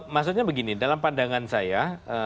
maksudnya begini dalam pandangan saya